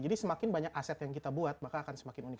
jadi semakin banyak aset yang kita buat maka akan semakin unik